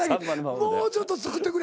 もうちょっと作ってくれ。